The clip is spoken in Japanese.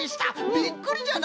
びっくりじゃな！